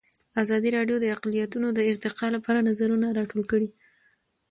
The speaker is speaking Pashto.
ازادي راډیو د اقلیتونه د ارتقا لپاره نظرونه راټول کړي.